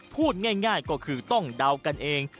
พูดง่ายก็คือต้องเดากันเอง